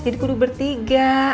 jadi kudu bertiga